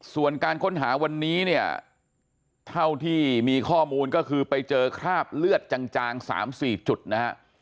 ส่วนการค้นหาวันนี้เนี่ยเท่าที่มีข้อมูลก็คือไปเจอคราบเลือดจาง๓๔จุดนะฮะ